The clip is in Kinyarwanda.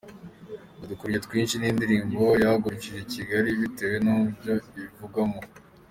Udukoryo Twinshi”, ni indirimbo yahagurukije Kigali bitewe n’ibyo ivugamo.